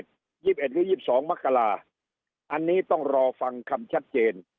๒๑หรือ๒๒มกราอันนี้ต้องรอฟังคำชัดเจน